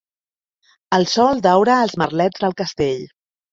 El sol daura els merlets del castell.